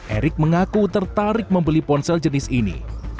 erick mengaku tertarik membeli ponsel jenis ini